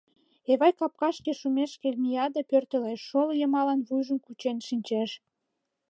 Эвай капкашке шумешке мия да пӧртылеш, шоло йымалан вуйжым кучен шинчеш.